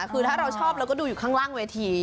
พอเราชอบก็ดูอยู่ข้างล่างเวที